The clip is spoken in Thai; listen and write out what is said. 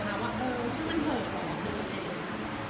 ชื่อมันเผาหรอ